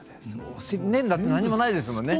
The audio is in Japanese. お尻だって何もないですもんね。